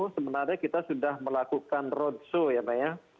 sebenarnya kita sudah melakukan roadshow ya pak ya